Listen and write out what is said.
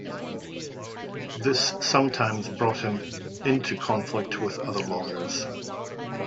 This sometimes brought him into conflict with other lawyers.